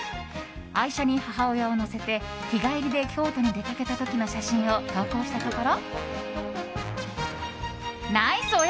愛車に母親を乗せて日帰りで京都に出かけた時の写真を投稿したところ。